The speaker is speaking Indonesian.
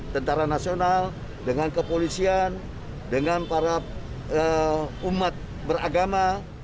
tentara nasional dengan kepolisian dengan para umat beragama